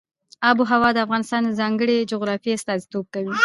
آب وهوا د افغانستان د ځانګړي جغرافیه استازیتوب کوي.